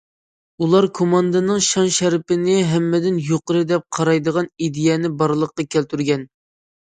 ئۇلار كوماندىنىڭ شان شەرىپىنى ھەممىدىن يۇقىرى دەپ قارايدىغان ئىدىيەنى بارلىققا كەلتۈرگەن.